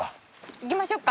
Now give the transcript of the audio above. いきましょっか。